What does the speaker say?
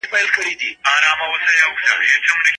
که موږ د تاريخ پاڼې واړوو نو داسې ډېرې کيسې به پيدا کړو.